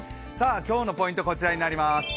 今日のポイントはこちらになります。